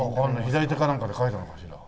左手かなんかで描いたのかしら？